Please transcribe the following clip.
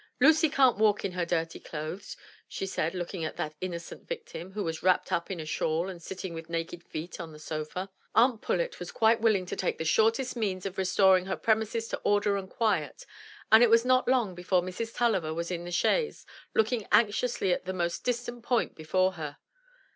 Lucy can't walk in her dirty clothes," she said, looking at that innocent victim who was wrapped up in a shawl, and sitting with naked feet on the sofa. Aunt Pullet was 237 MY BOOK HOUSE quite willing to take the shortest means of restoring her premises to order and quiet, and it was not long before Mrs. Tulliver was in the chaise, looking anxiously at the most distant point before her.